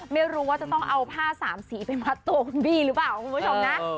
ไม่รู้ว่าจะต้องเอาผ้าสามสีไปมัดตัวคุณบี้หรือเปล่าคุณผู้ชมนะ